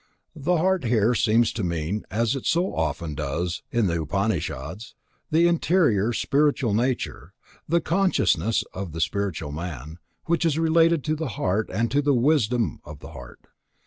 The heart here seems to mean, as it so often does in the Upanishads, the interior, spiritual nature, the consciousness of the spiritual man, which is related to the heart, and to the wisdom of the heart.